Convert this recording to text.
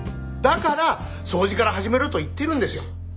だから掃除から始めると言っているんですよ。